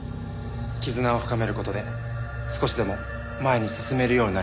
絆を深める事で少しでも前に進めるようになればと。